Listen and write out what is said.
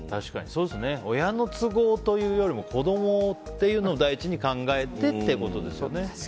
親の都合というよりも子供っていうのを第一に考えてってことですよね。